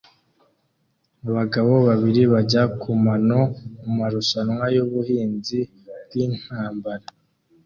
abagabo babiri bajya kumano mumarushanwa yubuhanzi bwintambara